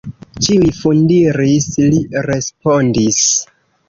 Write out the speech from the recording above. Ĉiuj fundiris, li respondis.